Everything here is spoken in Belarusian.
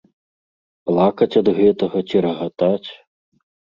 Плакаць ад гэтага, ці рагатаць?